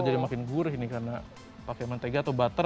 jadi makin gurih nih karena pakai mentega atau butter